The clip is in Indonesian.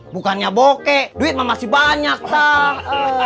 bukannya bokeh duit mah masih banyak kang